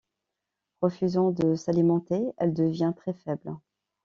Refusant de s'alimenter, elle devient très faible.